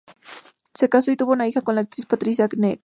Se casó y tuvo una hija con la actriz Patricia Kneale.